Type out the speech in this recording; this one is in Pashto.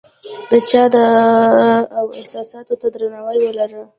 د چا و احساساتو ته درناوی ولره !